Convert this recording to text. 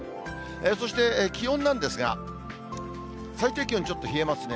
そして気温なんですが、最低気温ちょっと冷えますね。